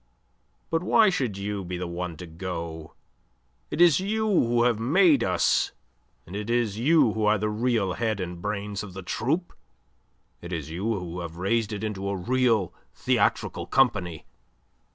But why should you be the one to go? It is you who have made us; and it is you who are the real head and brains of the troupe; it is you who have raised it into a real theatrical company.